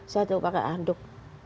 saya tuh pakai handuk